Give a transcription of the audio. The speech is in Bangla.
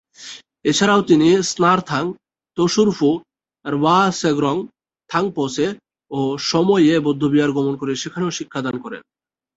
এছাড়াও তিনি স্নার-থাং, ম্ত্শুর-ফু, র্বা-স্গ্রেং, থাং-পো-ছে ও সম-য়ে বৌদ্ধবিহার গমন করে সেখানেও শিক্ষাদান করেন।